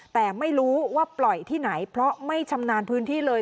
แต่ไม่รู้ว่าปล่อยที่ไหนเพราะไม่ชำนาญพื้นที่เลย